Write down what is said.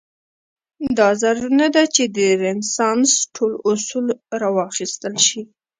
دا ضرور نه ده چې د رنسانس ټول اصول راواخیستل شي.